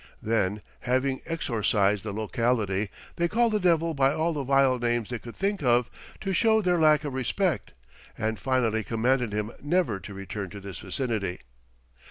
Then, having exorcised the locality, they called the Devil by all the vile names they could think of, to show their lack of respect, and finally commanded him never to return to this vicinity.